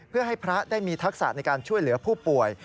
เพื่อให้พระได้มีทักษะในการช่วยเหลือผู้ป่วย